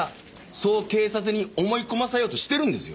そう警察に思い込ませようとしてるんですよ。